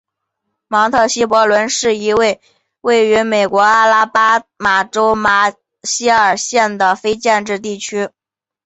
芒特希伯伦是一个位于美国阿拉巴马州马歇尔县的非建制地区。